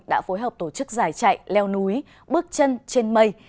đã phối hợp tổ chức giải chạy leo núi bước chân trên mây